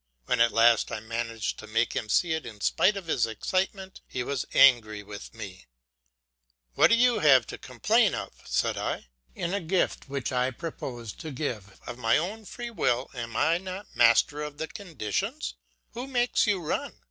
When at last I managed to make him see it in spite of his excitement, he was angry with me. "What have you to complain of?" said I. "In a gift which I propose to give of my own free will am not I master of the conditions? Who makes you run?